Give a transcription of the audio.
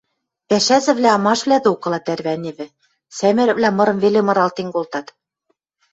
Пӓшӓзӹвлӓ амашвлӓ докыла тӓрвӓневӹ, сӓмӹрӹквлӓ мырым веле мыралтен колтат.